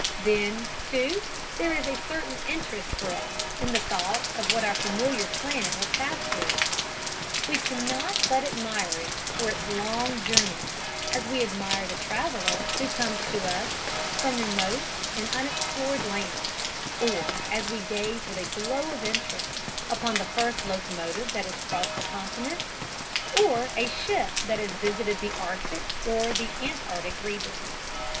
Then, too, there is a certain interest for us in the thought of what our familiar planet has passed through. We cannot but admire it for its long journeying as we admire the traveler who comes to us from remote and unexplored lands, or as we gaze with a glow of interest upon the first locomotive that has crossed a continent, or a ship that has visited the Arctic or Antarctic regions.